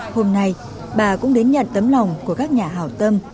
hôm nay bà cũng đến nhận tấm lòng của các nhà hào tâm